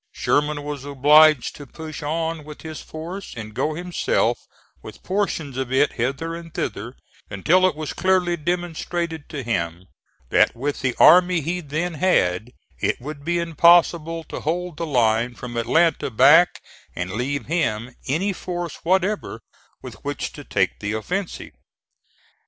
Sherman was obliged to push on with his force and go himself with portions of it hither and thither, until it was clearly demonstrated to him that with the army he then had it would be impossible to hold the line from Atlanta back and leave him any force whatever with which to take the offensive.